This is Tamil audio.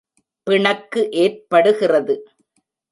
பிணக்கு ஏற்படுகிறது.